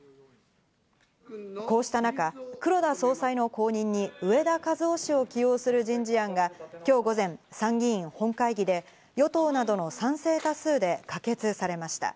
こうした中、黒田総裁の後任に植田和男氏を起用する人事案がきょう午前参議院本会議で与党などの賛成多数で可決されました。